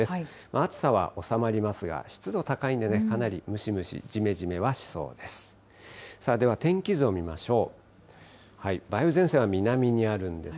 暑さは収まりますが、湿度高いんでね、かなりムシムシ、じめじめはしそうです。